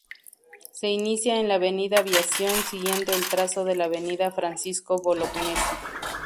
Se inicia en la avenida Aviación, siguiendo el trazo de la avenida Francisco Bolognesi.